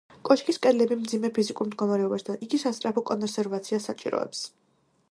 კოშკის კედლები მძიმე ფიზიკურ მდგომარეობაშია და იგი სასწრაფო კონსერვაციას საჭიროებს.